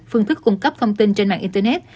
phương thức cung cấp thông tin trên mạng internet